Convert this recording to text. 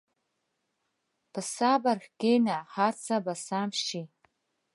په صبر کښېنه، هر څه به سم شي.